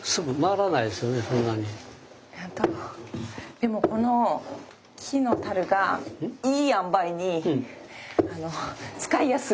でもこの木のたるがいいあんばいに使いやすい。